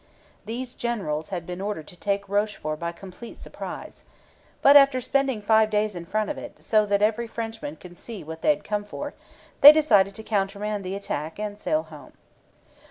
These generals had been ordered to take Rochefort by complete surprise. But after spending five days in front of it, so that every Frenchman could see what they had come for, they decided to countermand the attack and sail home.